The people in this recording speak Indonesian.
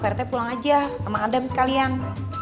prt pulang aja sama adam sekalian